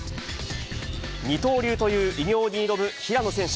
二刀流という偉業に挑む平野選手。